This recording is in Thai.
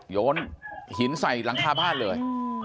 โยนหินใส่หลังคาบ้านเลย